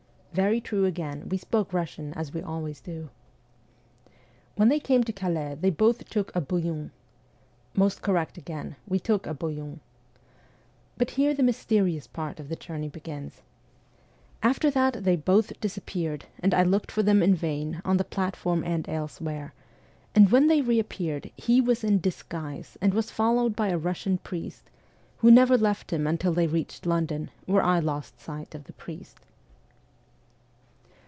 Very true again : we spoke Russian as we always do. ' When they came to Calais, they both took a bouillon.' Most correct again : we took a bouillon. But here the mysterious part of the journey WESTERN EUROPE 289 begins. ' After that, they both suddenly disappeared, and I looked for them in vain, on the platform and else where; and when they reappeared, he was in disguise, and was followed by a Russian priest, who never left him until they reached London, where I lost sight of the priest.'